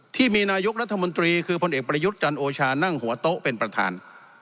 ที่มีนายกรัฐมนตรีคือพลเอกประยุทธ์จันโอชานั่งหัวโต๊ะเป็นประธาน